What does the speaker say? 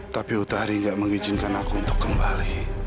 tapi utari gak mengizinkan aku untuk kembali